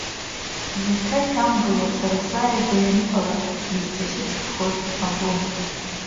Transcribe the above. Зҭра иҭамгыло, сара сааигәа ианыҟала изҵашьыцтәхоз агәы.